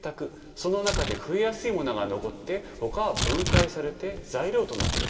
その中で増えやすいものが残ってほかは分解されて材料となっていく